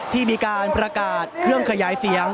ที่มีการประกาศเครื่องขยายเสียง